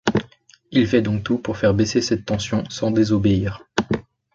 Il fait donc tout pour faire baisser cette tension, sans désobéir.